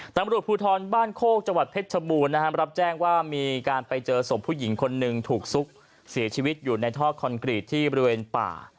ตำรวจภูทรบ้านโคกจังหวัดเพชรชบูรณ์นะครับรับแจ้งว่ามีการไปเจอศพผู้หญิงคนหนึ่งถูกซุกเสียชีวิตอยู่ในท่อคอนกรีตที่บริเวณป่า